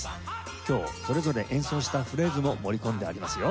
今日それぞれ演奏したフレーズも盛り込んでありますよ。